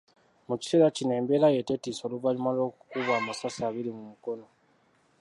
Mu kiseera kino embeera ye tetiisa oluvannyuma lw’okukubwa amasasi abiri mu mukono.